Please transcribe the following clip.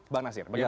bang nasir bagaimana